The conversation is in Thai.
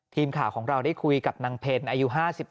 ทีมข่าวของเราได้คุยกับนางเพลอายุ๕๑